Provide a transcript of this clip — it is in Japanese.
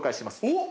おっ。